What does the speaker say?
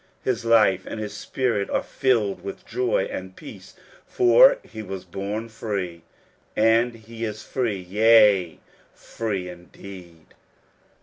His life and his spirit are filled with joy and peace, for he was born free, and he is free, yea, free indeed.